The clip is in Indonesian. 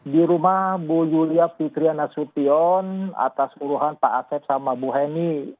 di rumah bu yulia fitriana sution atas uruhan pak aket sama bu hemi